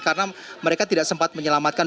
karena mereka tidak sempat menyelamatkan